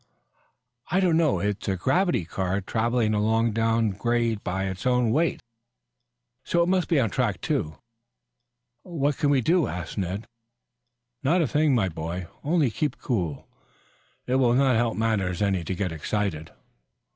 "I don't know. It's a gravity car traveling along down grade by its own weight, so it must be on track two." "What can we do?" asked Ned. "Not a thing, my boy, only keep cool. It will not help matters any to get excited."